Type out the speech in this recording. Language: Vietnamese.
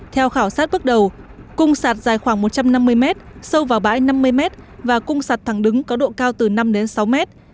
theo khảo sát bước đầu cung sạt dài khoảng một trăm năm mươi mét sâu vào bãi năm mươi mét và cung sạt thẳng đứng có độ cao từ năm đến sáu mét